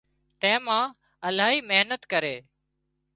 تيمان الاهي محنت ڪري